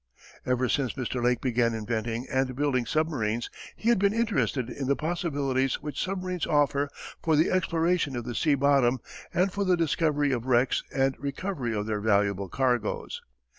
Ever since Mr. Lake began inventing and building submarines he has been interested in the possibilities which submarines offer for the exploration of the sea bottom and for the discovery of wrecks and recovery of their valuable cargoes.